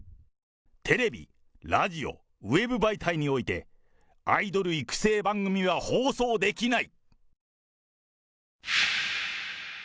テレビ、ラジオ、ウェブ媒体において、アイドル育成番組は放送できない。